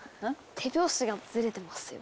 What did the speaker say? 手拍子がずれてますよ。